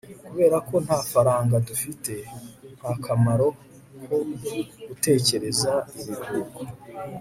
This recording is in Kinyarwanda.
kubera ko nta faranga dufite, nta kamaro ko gutekereza ibiruhuko